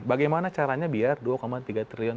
bagaimana caranya biar dua tiga triliun